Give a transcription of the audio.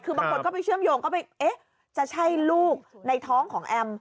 คือบางคนก็ไปเชื่อมโยงก็ไปเอ๊ะจะใช่ลูกในท้องของแอม